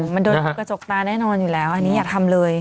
มันโดนกระจกตาแน่นอนอยู่แล้วอันนี้อย่าทำเลย